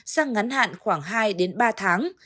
sang ngắn hạn khoảng hai đến ba tháng